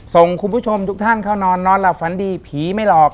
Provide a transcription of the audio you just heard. ส่งคุณผู้ชมทุกท่านเข้านอนนอนหลับฝันดีผีไม่หลอก